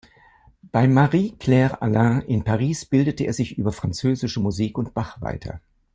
Bei Marie-Claire Alain in Paris bildete er sich über französische Musik und Bach weiter.